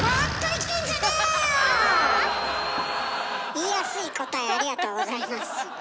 言いやすい答えありがとうございます。